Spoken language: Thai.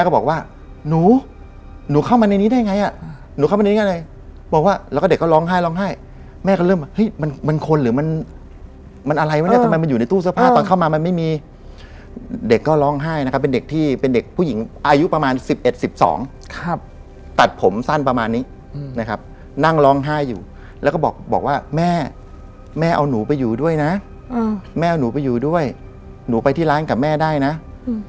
บอกว่าแม่แม่เอาหนูไปอยู่ด้วยนะอืมแม่เอาหนูไปอยู่ด้วยหนูไปที่ร้านกับแม่ได้นะอืม